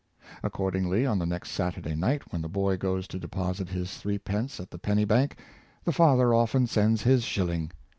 Accordingly, on the next Satur day night, when the boy goes to deposit his threepence at the penny bank, the father often sends his shilling.